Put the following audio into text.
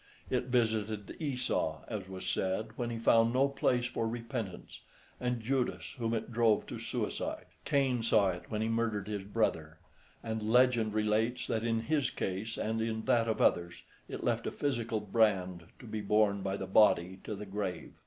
It visited Esau, as was said, when he found no place for repentance, and Judas, whom it drove to suicide. Cain saw it when he murdered his brother, and legend relates that in his case, and in that of others, it left a physical brand to be borne by the body to the grave.